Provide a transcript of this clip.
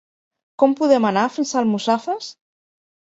Com podem anar fins a Almussafes?